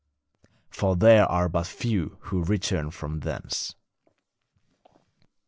For there are but few who return from thence.'